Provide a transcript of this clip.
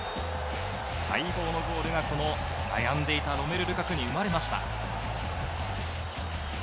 待望のゴールが悩んでいたロメル・ルカクに生まれました。